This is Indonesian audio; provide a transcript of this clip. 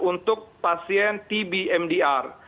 untuk pasien tb mdr